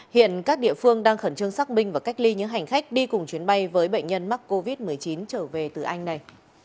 hiện các địa phương đang khẩn trương xác minh và cách ly những hành khách đi cùng chuyến bay với bệnh nhân mắc covid một mươi chín trở về từ anh này